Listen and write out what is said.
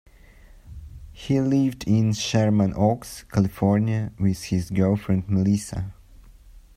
He lived in Sherman Oaks, California, with his girlfriend Melissa.